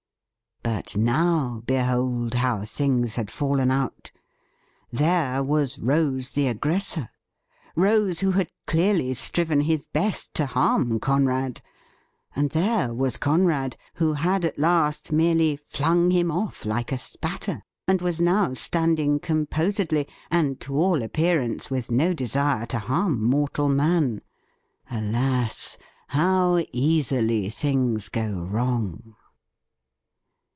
But now behold how things had fallen out ! There was Rose the aggressor — Rose, who had clearly striven his best to harm Conrad — and there was Conrad, who had at last merely flimg him off like a spatter, and was now standing composedly, and to all appearance with no desire to harm mortal man ! Alas ! how easily things go wrong